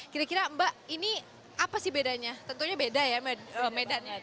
kira kira mbak ini apa sih bedanya tentunya beda ya medannya